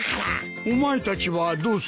お前たちはどうするんだ？